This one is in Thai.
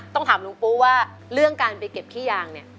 ต้องถามลูกปูว่าเรื่องการไปเก็บขี้ยาง